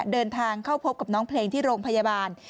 เดินทางเข้าพบกับน้องเพลงที่โรงพยาบาล